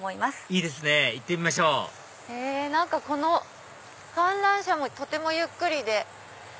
いいですね行ってみましょうこの観覧車もとてもゆっくりで。